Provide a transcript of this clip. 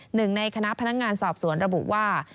หนึ่งในคณะพนักงานสอบสวนระบุว่า